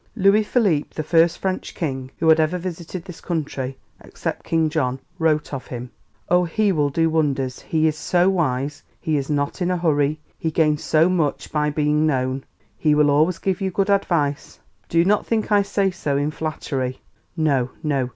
] Louis Philippe, the first French king who had ever visited this country, except King John, wrote of him: "Oh, he will do wonders; he is so wise; he is not in a hurry; he gains so much by being known. He will always give you good advice. Do not think I say so in flattery. No! No!